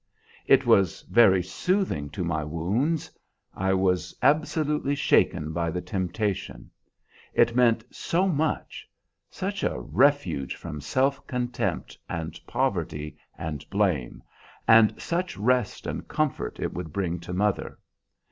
"It was very soothing to my wounds. I was absolutely shaken by the temptation. It meant so much; such a refuge from self contempt and poverty and blame, and such rest and comfort it would bring to mother!